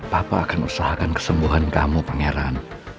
papa akan usahakan kesembuhan kamu pangeran